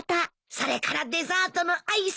それからデザートのアイス。